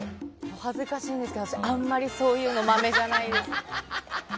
お恥ずかしいんですけどあんまりそういうのマメじゃないんですよ。